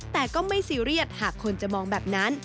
แต่ก็ไม่ซีเรียสหากคนจะมองแบบนั้น